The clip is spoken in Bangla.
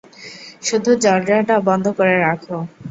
শুধু দরজাটা বন্ধ করে রাখ।